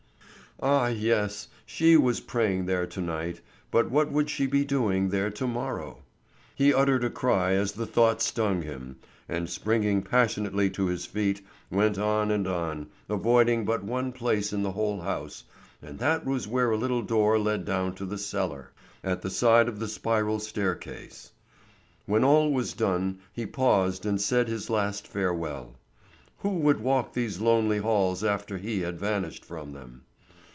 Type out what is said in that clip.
Ah, yes, she was praying there to night, but what would she be doing there to morrow? He uttered a cry as the thought stung him, and springing passionately to his feet went on and on, avoiding but one place in the whole house and that was where a little door led down to the cellar, at the side of the spiral staircase. When all was done he paused and said his last farewell. Who would walk these lonely halls after he had vanished from them?